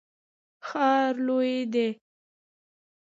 ښار لوی دی.